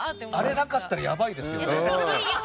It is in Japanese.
あれがなかったらやばいですよね。